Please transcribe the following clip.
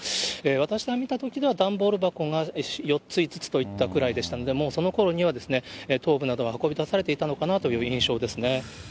私が見たときでは、段ボール箱が４つ、５つといったくらいでしたので、もうそのころには、頭部などは運び出されていたのかなという印象ですね。